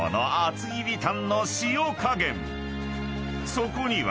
［そこには］